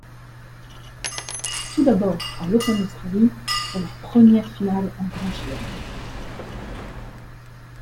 Tout d'abord à l'Open d'Australie pour leur première finale en Grand Chelem.